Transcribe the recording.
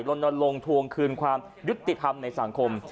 รณรงค์ทวงคืนความรึติธรรมในสังคม